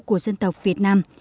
của dân tộc việt nam